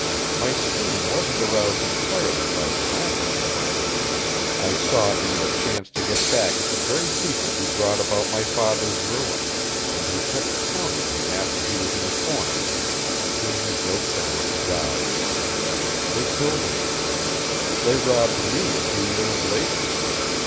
My scheme wasn't aroused entirely by philanthropy, mind you. I saw in it a chance to get back at the very people who brought about my father's ruin, and who kept pounding him after he was in a corner until he broke down and died. They killed him. They robbed me a few years later.